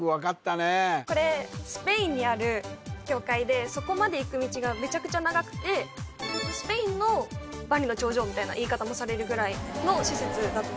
スペインにある教会でそこまで行く道がメチャクチャ長くてスペインの万里の長城みたいな言い方もされるぐらいの施設